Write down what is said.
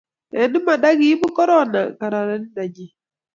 eng' imanda kiibu korona kararaninda nyin